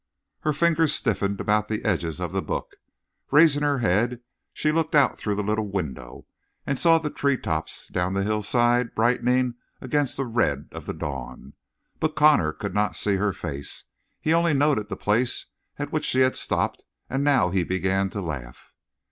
Her fingers stiffened about the edges of the book. Raising her head, she looked out through the little window and saw the tree tops down the hillside brightening against the red of the dawn. But Connor could not see her face. He only noted the place at which she had stopped, and now he began to laugh.